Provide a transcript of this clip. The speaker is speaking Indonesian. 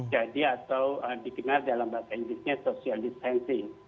jadi atau dikenal dalam bahasa inggrisnya social distancing